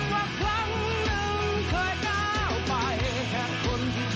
ฉันชอบเธอสิ่งที่ยังมีหวัง